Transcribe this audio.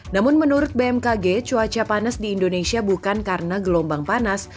namun menurut bmkg cuaca panas di indonesia bukan karena gelombang panas